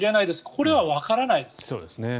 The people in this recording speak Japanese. これはわからないです。